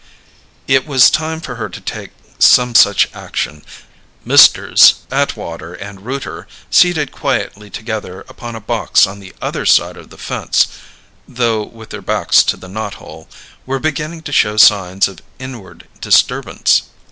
It was time for her to take some such action. Messrs. Atwater and Rooter, seated quietly together upon a box on the other side of the fence (though with their backs to the knot hole), were beginning to show signs of inward disturbance.